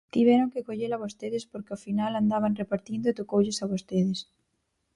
Tiveron que collela vostedes porque ao final andaban repartindo e tocoulles a vostedes.